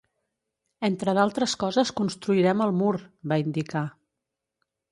“Entre d’altres coses, construirem el mur!”, va indicar.